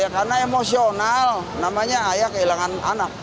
karena emosional namanya ayah kehilangan anak